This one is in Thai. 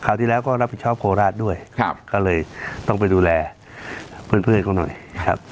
ที่แล้วก็รับผิดชอบโคราชด้วยครับก็เลยต้องไปดูแลเพื่อนเขาหน่อยครับ